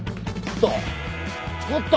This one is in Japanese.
ちょっと！？